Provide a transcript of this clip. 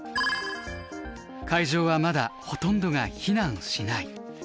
会場はまだほとんどが避難しない。